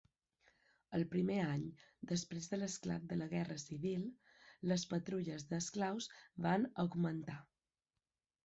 El primer any després de l'esclat de la Guerra Civil, les patrulles d'esclaus van augmentar.